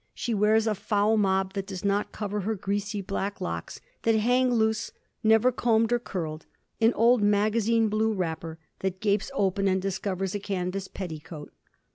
She wears a foul mob that does not cover her greasy black locks, that hang loose, never combed or curled ; an old magazine blue wrapper, that gapes open and discovers a canvas petticoat.